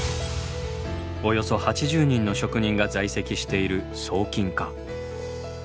およそ８０人の職人が在籍している装金課。